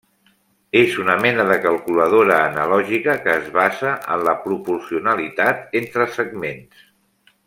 És una mena de calculadora analògica que es basa en la proporcionalitat entre segments.